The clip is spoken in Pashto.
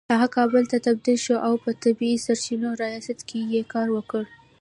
هغه کابل ته تبدیل شو او په طبیعي سرچینو ریاست کې يې کار وکړ